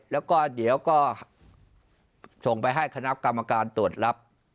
แล้วก็เดี๋ยวก็ส่งไปให้คณะกรรมการตรวจรับ